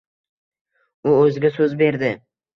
U o`ziga so`z berdi